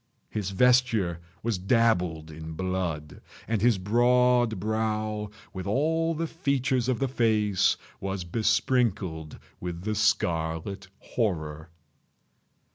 His vesture was dabbled in blood—and his broad brow, with all the features of the face, was besprinkled with the scarlet horror.